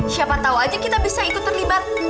siapa tahu aja kita bisa ikut terlibat